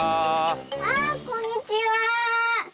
あこんにちは。